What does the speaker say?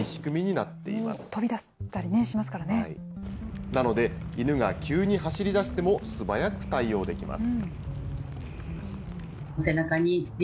なので、犬が急に走りだしても、素早く対応できます。